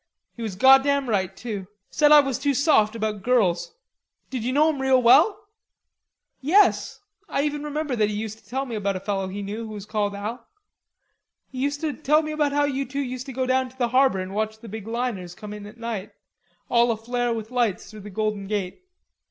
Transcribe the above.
He was goddam right, too. Said I was too soft about girls.... Did ye know him real well?" "Yes. I even remember that he used to tell me about a fellow he knew who was called Al.... He used to tell me about how you two used to go down to the harbor and watch the big liners come in at night, all aflare with lights through the Golden Gate.